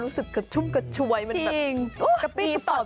รู้สึกกระชุ่มกระชวยมันแบบกระปีต่อไป